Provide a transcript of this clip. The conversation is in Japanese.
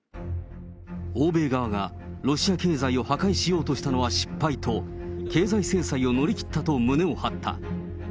欧米側がロシア経済を破壊しようとしたのは失敗と、経済制裁を乗り切ったと胸を張った。